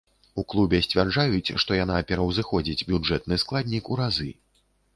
У клубе сцвярджаюць, што яна пераўзыходзіць бюджэтны складнік у разы.